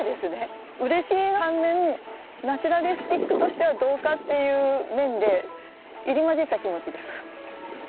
うれしい反面ナチュラリスティックとしてはどうかっていう面で入り交じった気持ちです。